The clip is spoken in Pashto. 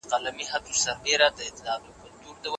تاسو بايد د مطالعې ازادي په هر ځای کي غوښتنه وکړئ.